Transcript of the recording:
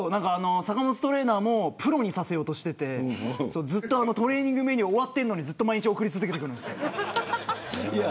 坂本トレーナーもプロにさせようとしていてトレーニングメニュー終わってるのに毎日、送り続けてくるんです。